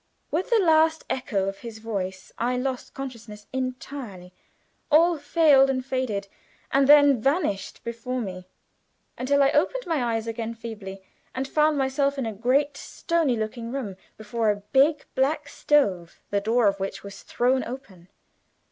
With the last echo of his voice I lost consciousness entirely; all failed and faded, and then vanished before me, until I opened my eyes again feebly, and found myself in a great stony looking room, before a big black stove, the door of which was thrown open.